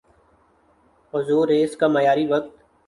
Azores کا معیاری وقت